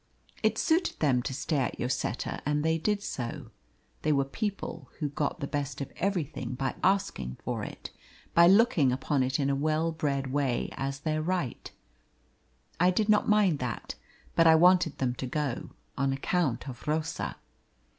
It suited them to stay at Lloseta, and they did so. They were people who got the best of everything by asking for it by looking upon it in a well bred way as their right. I did not mind that, but I wanted them to go, on account of Rosa.